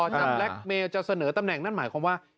จำแล็คเมลจะเสนอตำแหน่งนั่นหมายความว่า